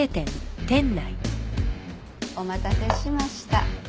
お待たせしました。